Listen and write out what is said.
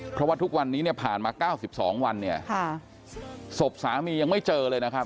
เพราะว่าทุกวันนี้เนี่ยผ่านมา๙๒วันเนี่ยศพสามียังไม่เจอเลยนะครับ